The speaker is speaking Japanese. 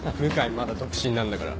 まだ独身なんだから。